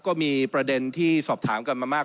ก็มีประเด็นที่สอบถามกันมามาก